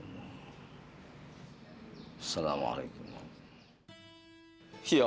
assalamualaikum warahmatullahi wabarakatuh